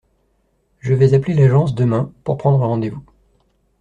Je vais appeler l'agence demain pour prendre rendez-vous.